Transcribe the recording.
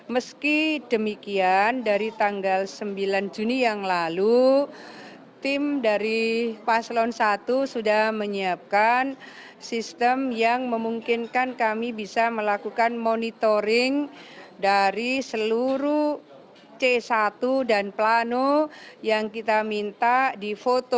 meski demikian dari tanggal sembilan juni yang lalu tim dari paslon satu sudah menyiapkan sistem yang memungkinkan kami bisa melakukan monitoring dari seluruh c satu dan plano yang kita minta di foto